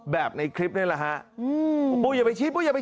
แบบในคลิปนี่นะฮะ